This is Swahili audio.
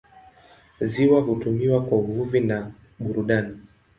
Ziwa hutumiwa kwa uvuvi na burudani.